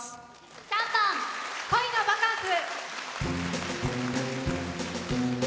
３番「恋のバカンス」。